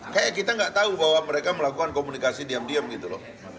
kayak kita nggak tahu bahwa mereka melakukan komunikasi diam diam gitu loh